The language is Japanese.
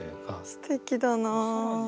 すてきだな。